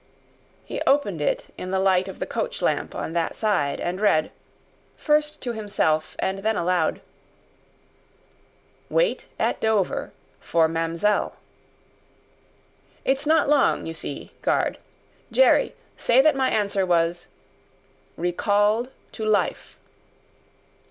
He opened it in the light of the coach lamp on that side, and read first to himself and then aloud: "'Wait at Dover for Mam'selle.' It's not long, you see, guard. Jerry, say that my answer was, RECALLED TO LIFE."